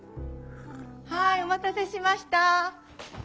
はいお待たせしました。